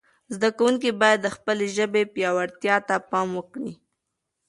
زده کوونکي باید د خپلې ژبې پياوړتیا ته پام وکړي.